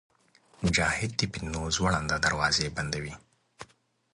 مجاهد د فتنو زوړند دروازې بندوي.